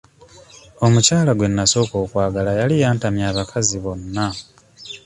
Omukyala gwe nnasooka okwagala yali yantamya abakazi bonna.